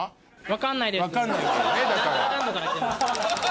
分かんないです。